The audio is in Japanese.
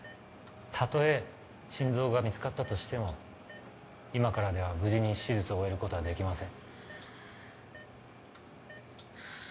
たとえ心臓が見つかったとしても今からでは無事に手術を終えることはできません